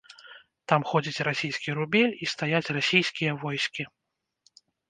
Там ходзіць расійскі рубель і стаяць расійскія войскі.